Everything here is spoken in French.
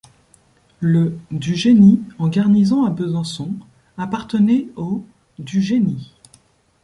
Le du Génie, en garnison à Besançon, appartenait au du génie.